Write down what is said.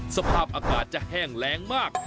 สภาพอากาศจะแห้งแรงมาก